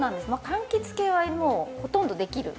かんきつ系はもうほとんどできるんです。